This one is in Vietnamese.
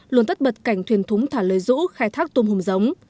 luôn tất bật cảnh thuyền thúng thả lời rũ khai thác tôm hùm giống